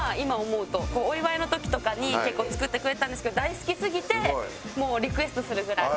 お祝いの時とかに結構作ってくれてたんですけど大好きすぎてもうリクエストするぐらい。